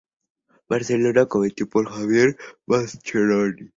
Barcelona cometido por Javier Mascherano.